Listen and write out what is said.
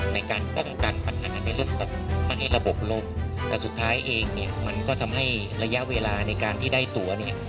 ในการป้องกันปัญหาในรถประเทศระบบลงแต่สุดท้ายเองเนี่ยมันก็ทำให้ระยะเวลาในการที่ได้ตัวเนี่ย